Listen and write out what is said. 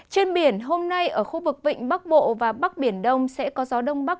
trên biển hôm nay ở khu vực vịnh bắc bộ và bắc biển đông sẽ có gió đông bắc